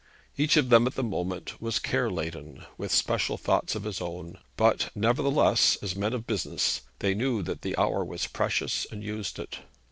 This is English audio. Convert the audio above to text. Each of them at the moment was care laden with special thoughts of his own, but nevertheless, as men of business, they knew that the hour was precious and used it.